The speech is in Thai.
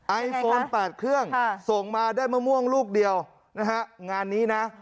ไอโฟน๘เครื่องส่งมาได้มะม่วงลูกเดียวนะฮะงานนี้นะ